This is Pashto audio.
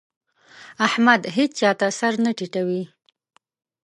احمد هيچا ته سر نه ټيټوي.